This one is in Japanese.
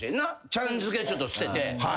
ちゃんづけちょっと捨てて。